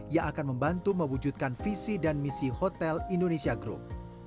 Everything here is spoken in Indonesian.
yang akan membantu mewujudkan visi dan misi hotel indonesia group